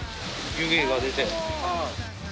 湯気が出て。